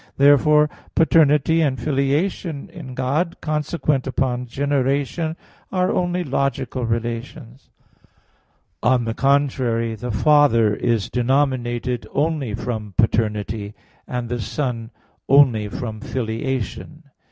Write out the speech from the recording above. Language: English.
Therefore paternity and filiation in God, consequent upon generation, are only logical relations. On the contrary, The Father is denominated only from paternity; and the Son only from filiation.